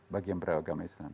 bagi yang beragama islam